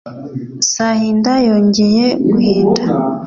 sahinda yongeye guhinda